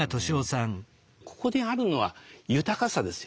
ここであるのは豊かさですよ。